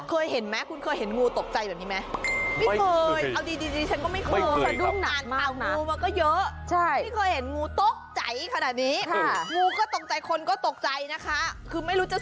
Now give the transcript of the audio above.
เคยเห็นไหมคุณเคยเห็นงูตกใจแบบนี้ไหม